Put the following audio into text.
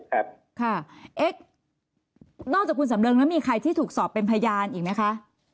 ครับค่ะเอ๊ะนอกจากคุณสำเริงแล้วมีใครที่ถูกสอบเป็นพยานอีกไหมคะ